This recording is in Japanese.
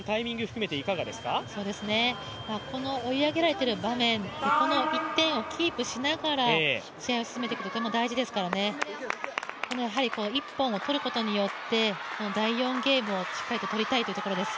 この追い上げられている場面、この１点をキープしながら試合を進めていくことがとても大事ですから、やはり１本を取ることによって、第１ゲームをしっかりと取りたいところです。